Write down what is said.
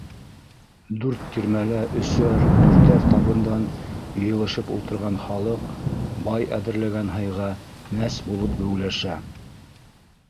Дүрт тирмәлә өсәр, дүртәр табындан йыйылышып ултырған халыҡ бай әҙерләгән һыйға мәс булып геүләшә.